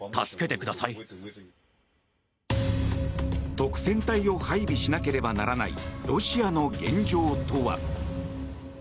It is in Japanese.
督戦隊を配備しなければならないロシアの現状とは？